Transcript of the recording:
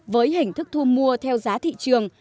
với hình thức thu mua theo giá thị trường